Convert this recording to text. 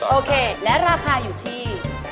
โอเคและราคาอยู่ที่